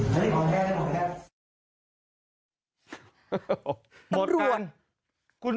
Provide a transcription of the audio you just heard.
ตำรวจ